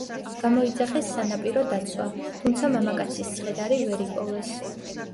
გამოიძახეს სანაპირო დაცვა, თუმცა მამაკაცის ცხედარი ვერ იპოვეს.